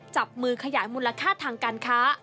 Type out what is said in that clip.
จับมือขยายมูลค่าทางการค้า